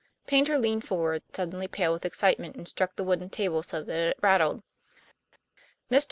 Paynter leaned forward, suddenly pale with excitement, and struck the wooden table so that it rattled. "Mr.